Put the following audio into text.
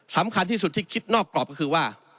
สำคัญที่สุดที่คิดนอกกรอบก็คือว่า